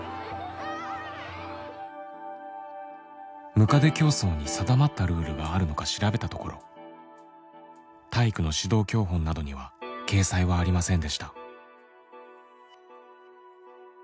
むかで競走に定まったルールがあるのか調べたところ体育の指導教本などには掲載はありませんでした。